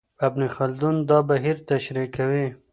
ابن خلدون دا بهير تشريح کوي.